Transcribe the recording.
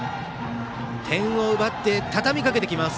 点を奪って、たたみかけてきます。